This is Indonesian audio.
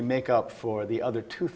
untuk membuatnya untuk dua peratus